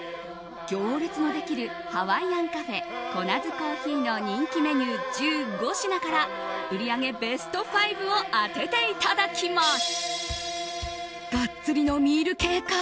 行列のできるハワイアンカフェコナズ珈琲の人気メニュー１５品から売り上げベスト５を当てていただきます。